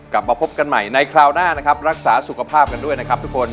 กลับมาพบกันใหม่ในคราวหน้านะครับรักษาสุขภาพกันด้วยนะครับทุกคน